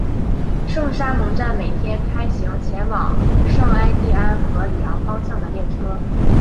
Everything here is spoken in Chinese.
圣沙蒙站每天开行前往圣艾蒂安和里昂方向的列车。